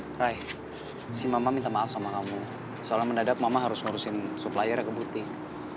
hai si mama minta maaf sama kamu soalnya mendadak mama harus ngurusin supplier ke butik